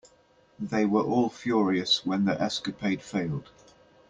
They were all furious when the escapade failed.